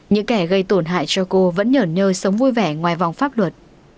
những kẻ gây tổn hại cho cô vẫn nhởn nhơ sống vui vẻ ngoài vòng pháp luật